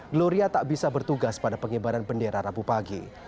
gloria tak bisa bertugas pada pengibaran bendera rabu pagi